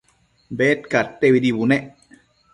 Bedcadteuidi bunec